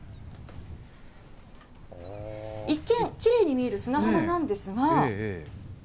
一見、きれいに見える砂浜なんですが。